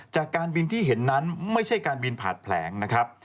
จากการบินที่เห็นนั้นไม่ใช่การบินผ่านแผลงนะครับ